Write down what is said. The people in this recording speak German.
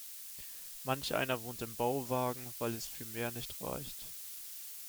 Manch einer wohnt im Bauwagen, weil es für mehr nicht reicht.